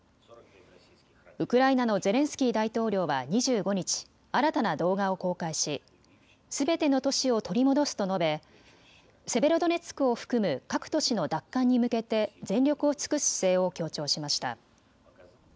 ウクライナのゼレンスキー大統領は２５日、新たな動画を公開しすべての都市を取り戻すと述べセベロドネツクを含む各都市の奪還に向けて全力を尽くす姿勢を強調しました。